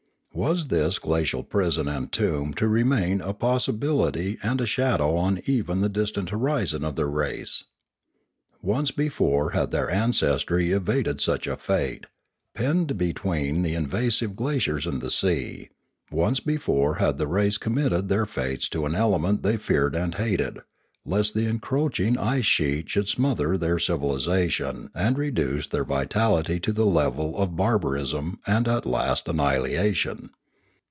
Was this glacial prison and tomb to remain a possibility and a shadow on even the dis tant horizon of their race ? Once before had their an cestry evaded such a fate, penned between the invasive glaciers and the sea; once before had the race com mitted their fates to an element they feared and hated, lest the encroaching ice sheet should smother their civilisation and reduce their vitality to the level of bar barism and at last annihilation.